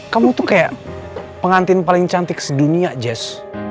kamu tuh kayak pengantin paling cantik sedunia jazz